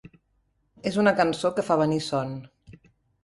És una cançó que fa venir son.